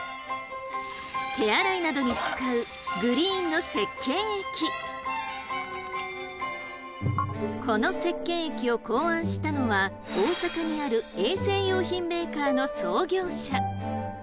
手洗いなどに使うこの石けん液を考案したのは大阪にある衛生用品メーカーの創業者。